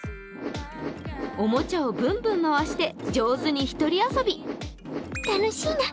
おもちゃをぶんぶんまわして上手に一人遊び。